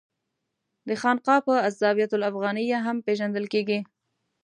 دا خانقاه په الزاویة الافغانیه هم پېژندل کېږي.